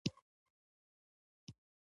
منی د افغانستان د طبیعي پدیدو یو رنګ دی.